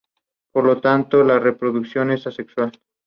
Yusuke Suzuki